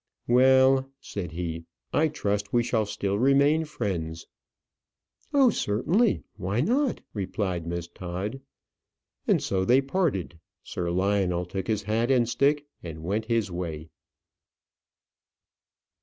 "Well," said he, "I trust we shall still remain friends." "Oh, certainly; why not?" replied Miss Todd. And so they parted. Sir Lionel took his hat and stick, and went his way.